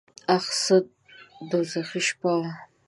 اخ څه دوږخي شپه وه .